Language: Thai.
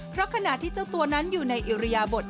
เพราะขณะที่เจ้าตัวนั้นอยู่ในอิริยบท